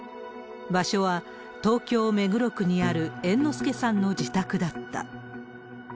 場所は、東京・目黒区にある猿之助さんの自宅だった。